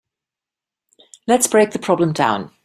Let's break the problem down.